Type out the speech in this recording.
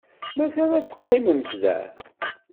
Mazal ad teqqimemt da?